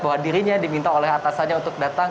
bahwa dirinya diminta oleh atasannya untuk datang